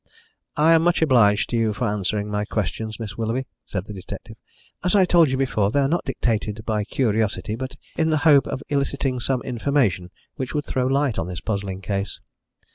"I am much obliged to you for answering my questions, Miss Willoughby," said the detective. "As I told you before, they are not dictated by curiosity, but in the hope of eliciting some information which would throw light on this puzzling case."